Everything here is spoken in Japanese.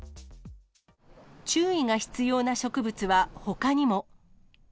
注意が必要な植物は、ほかにも。